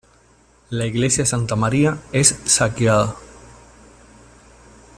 La iglesia Santa María es saqueada.